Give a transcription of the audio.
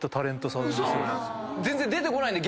全然出てこないんで。